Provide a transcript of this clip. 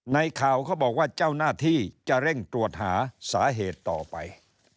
ในข่าวเขาบอกว่าเจ้าหน้าที่จะเร่งตรวจหาสาเหตุต่อไป